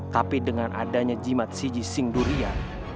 tapi dengan adanya jimat siji singdurian